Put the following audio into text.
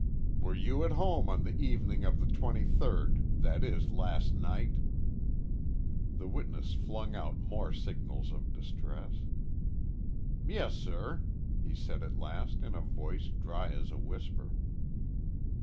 "Were you at home on the evening of the twenty third that is, last night?" The witness flung out more signals of distress. "Yes, sir," he said at last in a voice dry as a whisper.